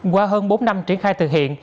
qua hơn bốn năm triển khai thực hiện